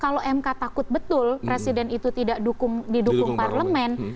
kalau mk takut betul presiden itu tidak didukung parlemen